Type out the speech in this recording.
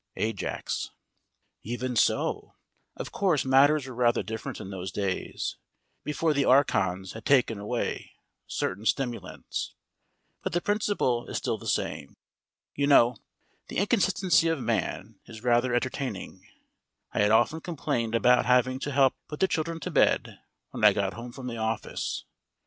AJAX: Even so. Of course matters were rather different in those days, before the archons had taken away certain stimulants, but the principle is still the same. You know, the inconsistency of man is rather entertaining. I had often complained about having to help put the children to bed when I got home from the office.